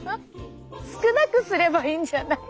少なくすればいいんじゃない？